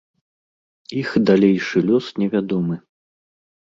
Іх далейшы лёс невядомы.